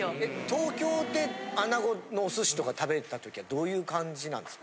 東京で穴子のお寿司とか食べた時はどういう感じなんですか？